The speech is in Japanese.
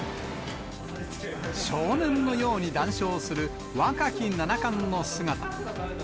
少年のように談笑する若き七冠の姿。